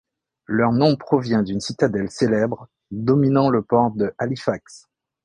Leur nom provient d'une citadelle célèbre, dominant le port de Halifax.